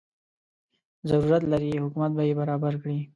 ضرورت لري حکومت به یې برابر کړي.